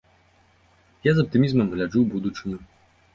Я з аптымізмам гляджу ў будучыню!